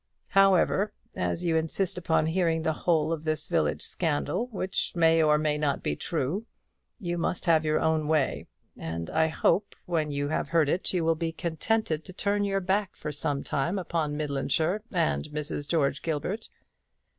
However, as you insist upon hearing the whole of this village scandal which may or may not be true you must have your own way; and I hope, when you have heard it, you will be contented to turn your back for some time to come upon Midlandshire and Mrs. George Gilbert.